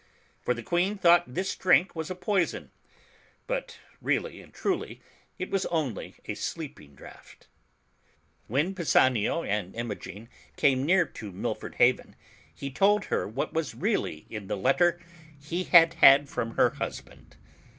For the Queen thought this drink was a poison, but really and truly it was only a sleeping draught. When Pisanio and Imogen came near to Milford Haven, he told her what was really in the letter he had had from her husband.